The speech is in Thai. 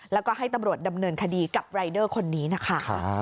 แล้วก็ให้ตำรวจดำเนินคดีกับรายเดอร์คนนี้นะคะ